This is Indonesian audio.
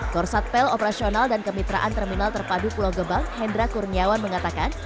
korsat pel operasional dan kemitraan terminal terpadu pulau gebang hendra kurniawan mengatakan